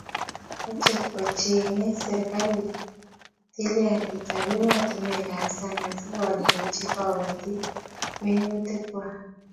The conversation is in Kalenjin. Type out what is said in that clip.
Moche kochengei serkalit tilyanditak emotinwekab sang asikoaldochi kobotik minutikwai